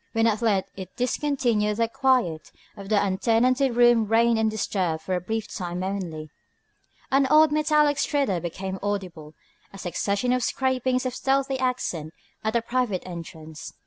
When at length it discontinued the quiet of the untenanted rooms reigned undisturbed for a brief time only. An odd metallic stridor became audible, a succession of scrapings of stealthy accent at the private entrance.